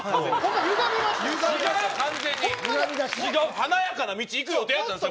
華やかな道行く予定だったんですよ